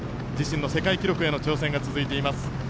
自身の世界記録への挑戦が続いています。